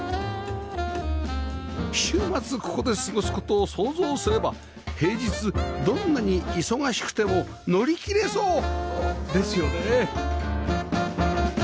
週末ここで過ごす事を想像すれば平日どんなに忙しくても乗り切れそうですよね？